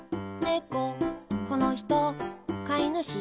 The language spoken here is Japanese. ここの人、飼い主